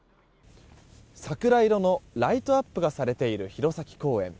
桜色のライトアップがされている弘前公園。